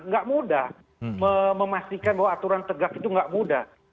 nggak mudah memastikan bahwa aturan tegak itu nggak mudah